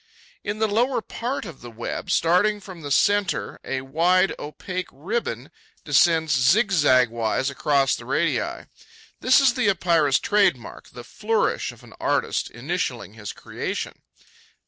In the lower part of the web, starting from the centre, a wide opaque ribbon descends zigzag wise across the radii. This is the Epeira's trade mark, the flourish of an artist initialling his creation.